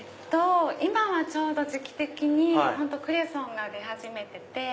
今はちょうど時期的にクレソンが出始めてて。